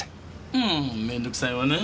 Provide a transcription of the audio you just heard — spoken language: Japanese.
もう面倒くさいわね。